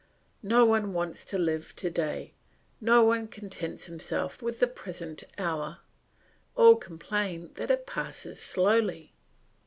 No one wants to live to day, no one contents himself with the present hour, all complain that it passes slowly.